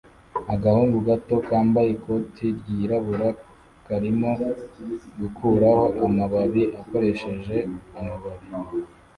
Agahungu gato kambaye ikoti ryirabura karimo gukuraho amababi akoresheje amababi